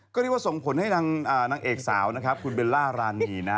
ก็นี่ว่าส่งผลให้นางเอกสาวคุณเบลล่ารานีนะ